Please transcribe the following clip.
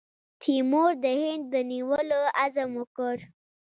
تیمور د هند د نیولو عزم وکړ.